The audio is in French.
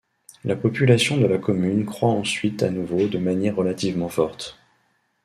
La population de la commune croît ensuite à nouveau de manière relativement forte.